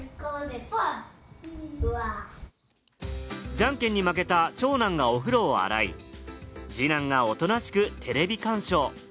じゃんけんに負けた長男がお風呂を洗い、二男がおとなしくテレビ鑑賞。